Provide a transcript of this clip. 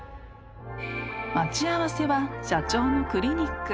［待ち合わせは社長のクリニック］